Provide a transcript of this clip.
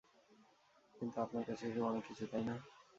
কিন্তু আপনার কাছে এসব অনেক কিছু, তাই না?